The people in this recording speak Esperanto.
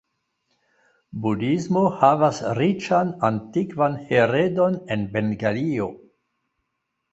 Budhismo havas riĉan antikvan heredon en Bengalio.